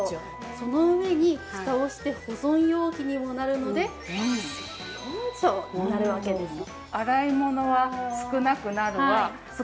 その上にフタをして保存容器にもなるので一石四鳥になるわけです。